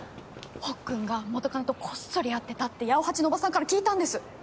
ほっくんが元カノとこっそり会ってたって八百八のおばさんから聞いたんです。